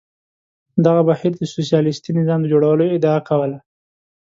دغه بهیر د سوسیالیستي نظام د جوړولو ادعا کوله.